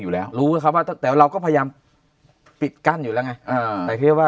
อยู่แล้วรู้ไหมครับว่าแต่เราก็พยายามปิดกั้นอยู่แล้วไงแต่แค่ว่า